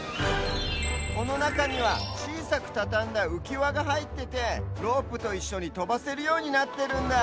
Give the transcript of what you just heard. このなかにはちいさくたたんだうきわがはいっててロープといっしょにとばせるようになってるんだ。